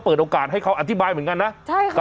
เปิดไฟขอทางออกมาแล้วอ่ะ